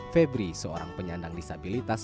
febri seorang penyandang disabilitas